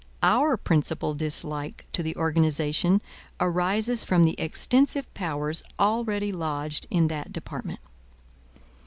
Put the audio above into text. Our principal dislike to the organization arises from the extensive powers already lodged in that department."